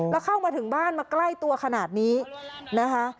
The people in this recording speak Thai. แล้วเข้ามาถึงบ้านมาใกล้ตัวขนาดนี้นะคะ